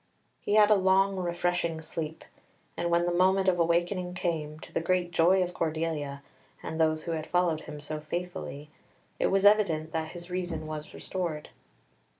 He had a long, refreshing sleep, and when the moment of awakening came, to the great joy of Cordelia and those who had followed him so faithfully, it was evident that his reason was restored.